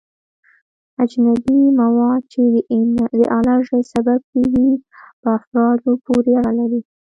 اجنبي مواد چې د الرژي سبب کیږي په افرادو پورې اړه لري.